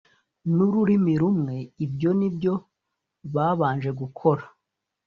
N’ururimi rumwe ibyo ni byo babanje gukora